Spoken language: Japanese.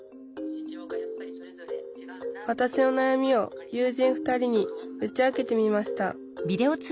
わたしのなやみを友人２人に打ち明けてみました